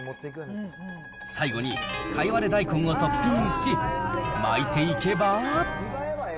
最後にかいわれ大根をトッピングし、巻いていけば。